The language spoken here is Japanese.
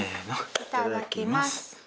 いただきます。